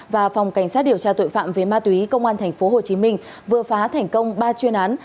và phòng cảnh sát điều tra tội phạm về ma túy công an tp hcm vừa phá thành công ba chuyên án